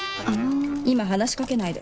今、話しかけないで。